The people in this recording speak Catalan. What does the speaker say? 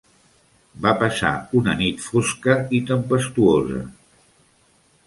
Va passar una nit fosca i tempestuosa.